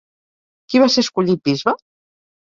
Qui va ser escollit bisbe?